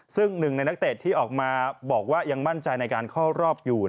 ซึ่งหนึ่งในนักเตะที่ออกมาบอกว่ายังมั่นใจในการเข้ารอบอยู่